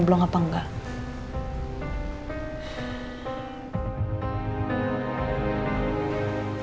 mobilnya dimana sekarang